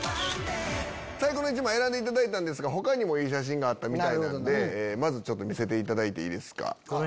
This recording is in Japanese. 最高の１枚選んだんですが他にもいい写真があったんでまず見せていただいていいですか。